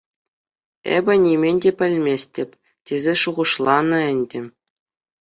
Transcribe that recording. Эпӗ нимӗн те пӗлместӗп тесе шухӑшланӑ ӗнтӗ.